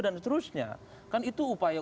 dan seterusnya kan itu upaya